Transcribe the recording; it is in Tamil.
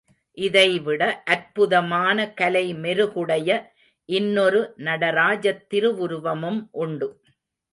இதைவிட அற்புதமான கலை மெருகுடைய இன்னொரு நடராஜத் திருவுருவமும் உண்டு.